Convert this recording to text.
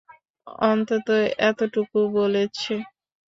অন্তত এতটুকো বলেছে।